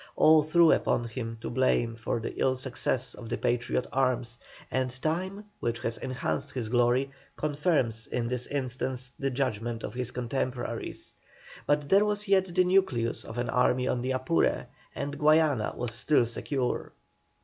All threw upon him the blame for the ill success of the Patriot arms, and time, which has enhanced his glory, confirms in this instance the judgment of his contemporaries. But there was yet the nucleus of an army on the Apure, and Guayana was still secure.